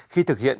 khi thực hiện